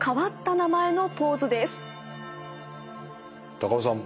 高尾さん